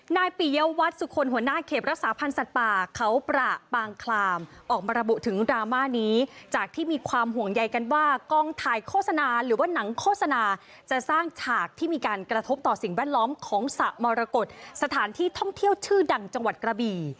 ปียวัตรสุคลหัวหน้าเขตรักษาพันธ์สัตว์ป่าเขาประปางคลามออกมาระบุถึงดราม่านี้จากที่มีความห่วงใยกันว่ากองถ่ายโฆษณาหรือว่าหนังโฆษณาจะสร้างฉากที่มีการกระทบต่อสิ่งแวดล้อมของสระมรกฏสถานที่ท่องเที่ยวชื่อดังจังหวัดกระบี่